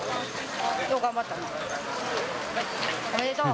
うん。おめでとう。